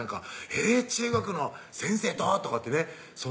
「えぇっ中学の先生と？」とかってね